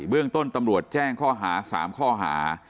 เรื่องต้นตำรวจแจ้งข้อหา๓ข้อหา